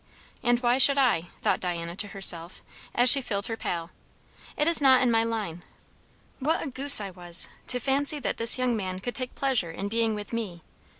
"And why should I?" thought Diana to herself as she filled her pail. "It is not in my line. What a goose I was, to fancy that this young man could take pleasure in being with me.